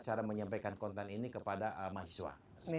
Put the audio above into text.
cara menyampaikan konten ini kepada mahasiswa